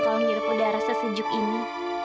kalau ngeliru udara sejuk ini